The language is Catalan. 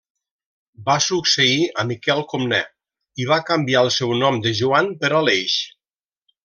Va succeir a Miquel Comnè i va canviar el seu nom de Joan per Aleix.